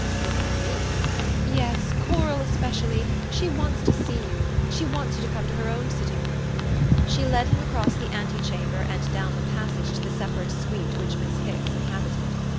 "Looking for me?" "Yes. Coral especially... she wants to see you. She wants you to come to her own sitting room." She led him across the ante chamber and down the passage to the separate suite which Miss Hicks inhabited.